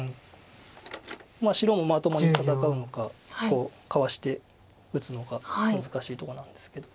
白もまともに戦うのかこうかわして打つのか難しいとこなんですけど。